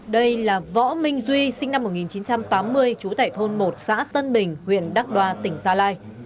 đây là võ minh duy sinh năm một nghìn chín trăm tám mươi chú tải thôn một xã tân bình huyện đắc đoa tỉnh gia lai